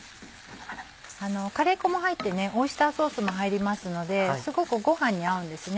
カレー粉も入ってオイスターソースも入りますのですごくご飯に合うんですね。